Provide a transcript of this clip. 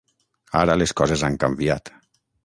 Ara les coses han canviat.